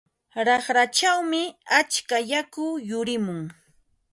Raqrachawmi atska yaku yurimun.